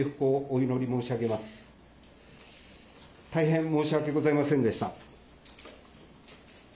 大変申し訳ございませんでした。